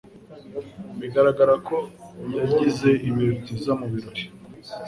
Bigaragara ko yagize ibihe byiza mubirori.